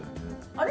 あれ？